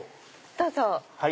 どうぞ。